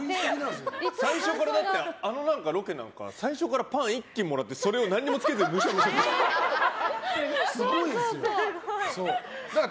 あのロケなんか最初からパン１斤もらってそれを何もつけずにむしゃむしゃ食べてるから。